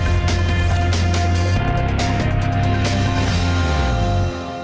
pertama bri berhasil memperbaiki perkembangan di rp dua puluh enam empat triliun dari laba bersih tahun dua ribu dua puluh satu